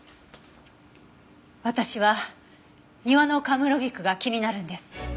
私は庭の神室菊が気になるんです。